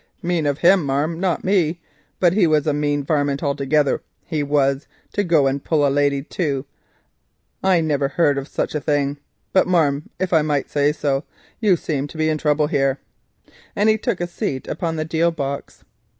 "Mean of him, marm, not me, but he was a mean varmint altogether he was; to go and pull a lady too, I niver heard of such a thing. But, marm, if I might say so, you seem to be in trouble here," and he took a seat upon the deal box.